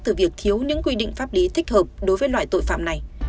từ việc thiếu những quy định pháp lý thích hợp đối với loại tội phạm này